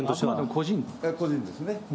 個人ですね。